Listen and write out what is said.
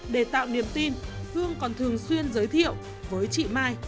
để tạo niềm tin dương còn thường xuyên giới thiệu với chị mai